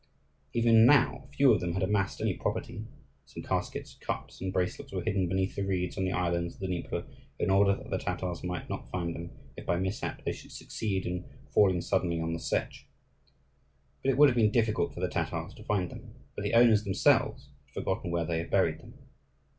Even now few of them had amassed any property: some caskets, cups, and bracelets were hidden beneath the reeds on the islands of the Dnieper in order that the Tatars might not find them if by mishap they should succeed in falling suddenly on the Setch; but it would have been difficult for the Tatars to find them, for the owners themselves had forgotten where they had buried them.